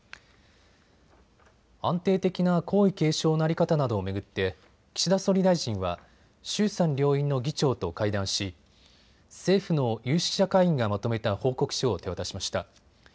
安定的な皇位継承の在り方などを巡って岸田総理大臣は衆参両院の議長と会談し政府の有識者会議がまとめた報告書を手渡しました。